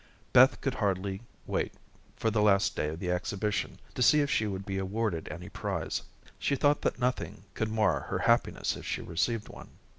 Beth could hardly wait for the last day of the exhibition to see if she would be awarded any prize. She thought that nothing could mar her happiness if she received one.